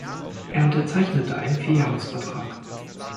Er unterzeichnete einen Vierjahresvertrag.